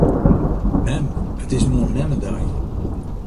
Mem! It is moarn memmedei.